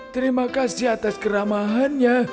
terima kasih atas keramahannya